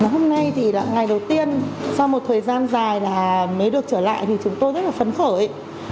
hôm nay thì ngày đầu tiên sau một thời gian dài là mới được trở lại thì chúng tôi rất là phấn khởi